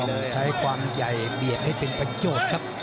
ใช้ความใหญ่เบียดให้เป็นประโยชน์ครับ